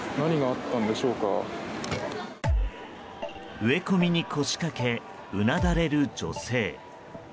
植え込みに腰掛けうなだれる女性。